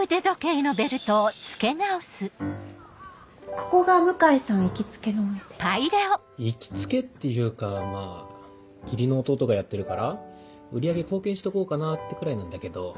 ・ここが向井さん行きつけのお店・行きつけっていうかまぁ義理の弟がやってるから売り上げ貢献しとこうかなってくらいなんだけど。